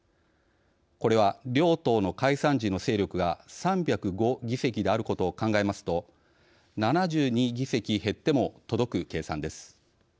これは両党の解散時の勢力が３０５議席であることを考えますと７２議席減っても届く計算です。